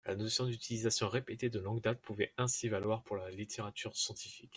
La notion d’utilisation répétée de longue date pourrait ainsi valoir pour la littérature scientifique.